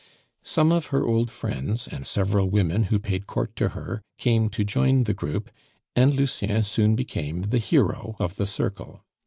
Some of her old friends, and several women who paid court to her, came to join the group, and Lucien soon became the hero of the circle.